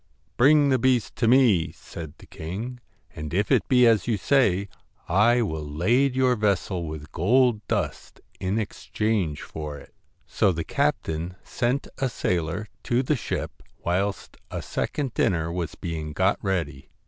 'Bring the beast to me,' said the king, 'and if it be as you say, I will lade your vessel with gold dust in exchange for it.' So the captain sent a sailor to the ship, whilst a second dinner was being got ready.